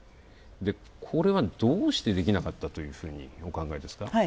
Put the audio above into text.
これは、どうしてできなかったというふうにお考えですか？